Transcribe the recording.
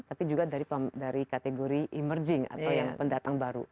tapi juga dari kategori emerging atau yang pendatang baru